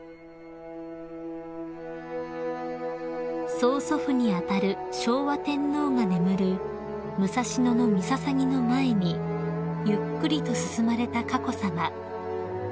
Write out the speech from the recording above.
［曽祖父に当たる昭和天皇が眠る武蔵野陵の前にゆっくりと進まれた佳子さま］